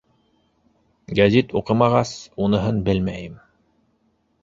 Гәзит уҡымағас, уныһын белмәйем.